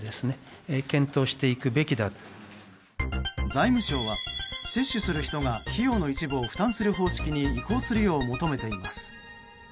財務省は接種する人が費用の一部を負担する方式に移行するよう求めています。